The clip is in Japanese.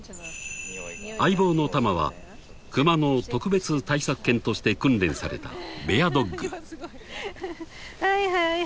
［相棒のタマはクマの特別対策犬として訓練されたベアドッグ］